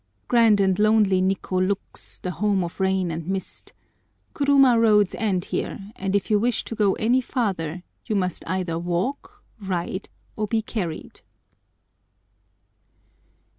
Grand and lonely Nikkô looks, the home of rain and mist. Kuruma roads end here, and if you wish to go any farther, you must either walk, ride, or be carried.